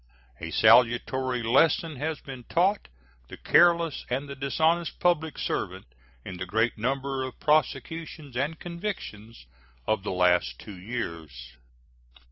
A salutary lesson has been taught the careless and the dishonest public servant in the great number of prosecutions and convictions of the last two years.